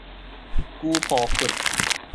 舊廍窟